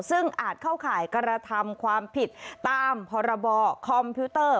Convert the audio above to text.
ซึ่งอาจเข้าข่ายกระทำความผิดตามพรบคอมพิวเตอร์